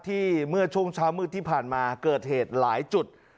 เมื่อช่วงเช้ามืดที่ผ่านมาเกิดเหตุหลายจุด